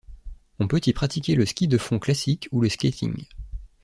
On peut y pratiquer le ski de fond classique ou le skating.